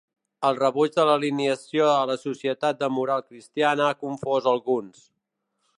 El rebuig de l'alienació a la societat de moral cristiana ha confòs alguns.